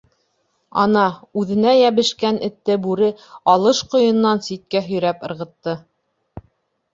Ана, үҙенә йәбешкән этте бүре алыш ҡойононан ситкә һөйрәп ырғытты.